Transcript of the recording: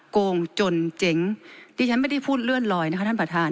โกงจนเจ๋งดิฉันไม่ได้พูดเลื่อนลอยนะคะท่านประธาน